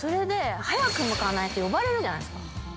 早くむかないと呼ばれるじゃないですか。